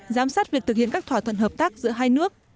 giám sát việc thực hiện các thỏa thuận hợp tác giữa hai nước